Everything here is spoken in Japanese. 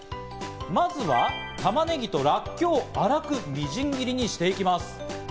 まずは玉ねぎとらっきょうを粗くみじん切りにしていきます。